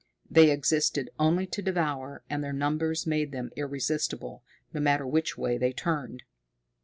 They existed only to devour, and their numbers made them irresistible, no matter which way they turned.